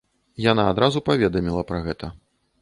Яна адразу паведаміла пра гэта.